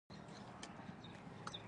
هغه له پیل څخه د سختې ناروغۍ سره سره.